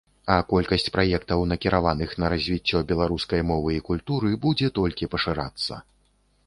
А колькасць праектаў, накіраваных на развіццё беларускай мовы і культуры, будзе толькі пашырацца.